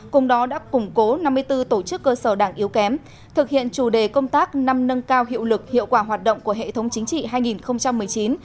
cùng đó đã củng cố năm mươi bốn tổ chức cơ sở đảng yếu kém thực hiện chủ đề công tác năm nâng cao hiệu lực hiệu quả hoạt động của hệ thống chính trị hai nghìn một mươi chín